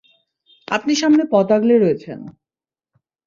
আপনি সামনে পথ আগলে রয়েছেন!